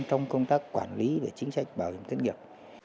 trong công tác quản lý về chính sách bảo hiểm thất nghiệp